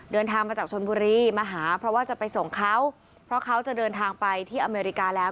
เดินทางมาจากชนบุรีมาหาเพราะว่าจะไปส่งเขาเพราะเขาจะเดินทางไปที่อเมริกาแล้ว